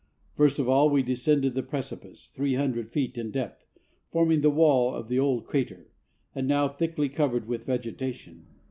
First of all we descended the precipice, three hundred feet in depth, forming the wall of the old crater, but now thickly covered with vegetation.